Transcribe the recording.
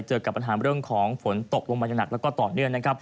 เจอกับปัญหาเรื่องของฝนตกลงมาอย่างหนักแล้วก็ต่อเนื่องนะครับ